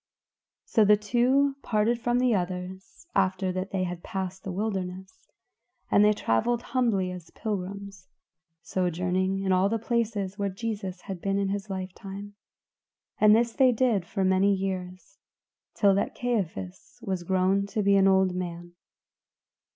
So the two parted from the others after that they had passed the wilderness, and they traveled humbly as pilgrims; sojourning long in all the places where Jesus had been in his life time; and this did they for many years, till that Caiaphas was grown to be an old man.